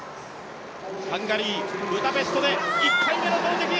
ハンガリー・ブダペストで１回目の投てき。